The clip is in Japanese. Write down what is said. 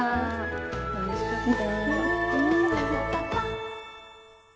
楽しかった。